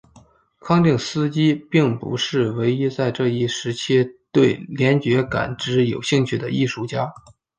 康定斯基并不是唯一在这一时期对联觉感知有兴趣的艺术家。